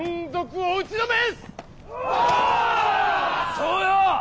そうよ。